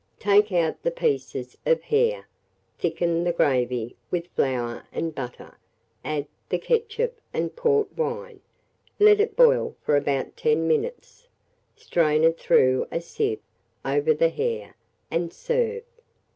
Take out the pieces of hare, thicken the gravy with flour and butter, add the ketchup and port wine, let it boil for about 10 minutes, strain it through a sieve over the hare, and serve.